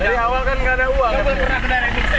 dari awal kan gak ada uang